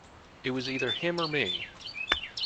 It was either him or me.